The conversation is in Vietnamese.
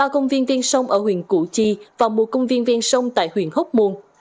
ba công viên ven sông ở huyện cụ chi và một công viên ven sông tại huyện hốc môn